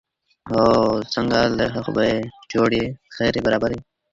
څه وخت ملي سوداګر غوښه هیواد ته راوړي؟